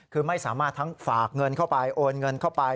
คือไม่สามารถทั้งฝากเงินเข้าไปโอนเงินเข้าไป